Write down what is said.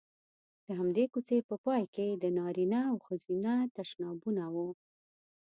د همدې کوڅې په پای کې د نارینه او ښځینه تشنابونه وو.